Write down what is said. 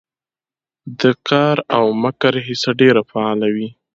د قار او مکر حصه ډېره فعاله وي